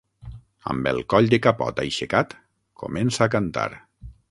Amb el coll de capot aixecat, comença a cantar